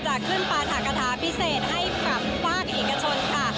จะขึ้นปาถากะท้าพิเศษให้ขลับฝากเอกชนค่ะ